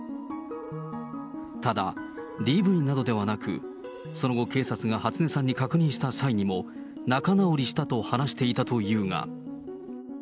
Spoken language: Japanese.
ただ、ＤＶなどではなく、その後、警察が初音さんに確認した際にも、仲直りしたと話していたというが。